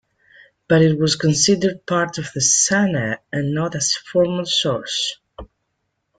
But it was considered part of the "sunnah", and not as formal source.